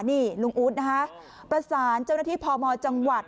นี่ลุงอู๊ดนะคะประสานเจ้าหน้าที่พมจังหวัด